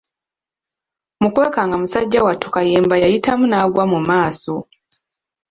Mu kwekanga musajja wattu Kayemba yayitamu n’agwa mu maaso.